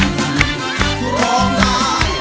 ขอบคุณครับ